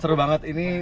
seru banget ini